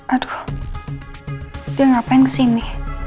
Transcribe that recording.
aduh dia ngapain kesini